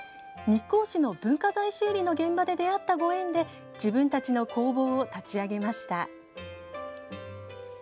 日光市の文化財修理の現場で出会ったご縁で自分たちの工房を立ち上げました。